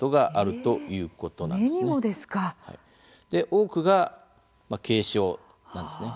多くが軽症なんですね。